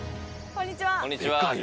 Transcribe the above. こんにちは。